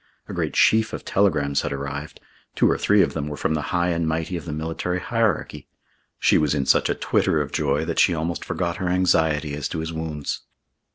A great sheaf of telegrams had arrived. Two or three of them were from the High and Mighty of the Military Hierarchy. She was in such a twitter of joy that she almost forgot her anxiety as to his wounds.